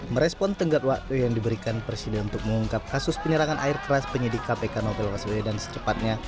merespon tenggat waktu yang diberikan presiden untuk mengungkap kasus penyerangan air keras penyidik kpk novel baswedan secepatnya